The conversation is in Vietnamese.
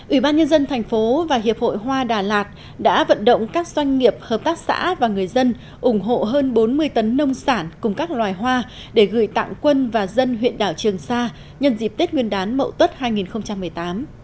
ủy ban nhân dân thành phố và hiệp hội hoa đà lạt đã vận động các doanh nghiệp hợp tác xã và người dân ủng hộ hơn bốn mươi tấn nông sản cùng các loài hoa để gửi tặng quân và dân huyện đảo trường sa nhân dịp tết nguyên đán mậu tuất hai nghìn một mươi tám